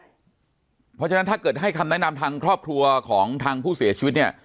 เพราะฉะนั้นถ้าเกิดให้คำแนะนำทางครอบครัวของทางผู้เสียชีวิตเนี่ย